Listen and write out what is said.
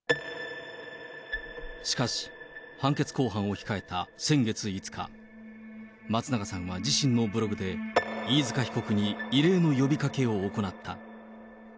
しかし、判決公判を控えた先月５日、松永さんは自身のブログで、飯塚被告に異例の呼びかけを行った。